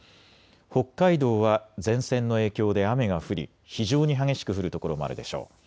北海道は前線の影響で雨が降り非常に激しく降る所もあるでしょう。